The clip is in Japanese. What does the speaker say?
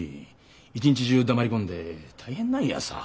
一日中黙り込んで大変なんやさ。